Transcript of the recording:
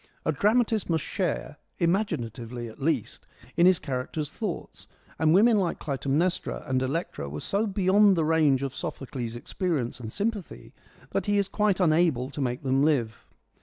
A dramatist must share — imaginatively at least — in his characters' thoughts ; and women like Clytemnestra and Electra were so beyond the range of Sophocles' experience and sympathy that he is quite unable to make them live.